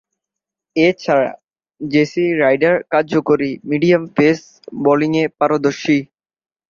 এছাড়াও Jesse Ryder কার্যকরী medium pace বোলিংয়ে পারদর্শী।